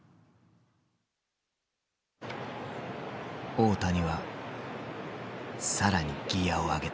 大谷は更にギアを上げた。